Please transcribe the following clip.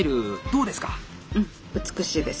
うん美しいです！